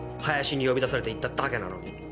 林に呼び出されて行っただけなのに。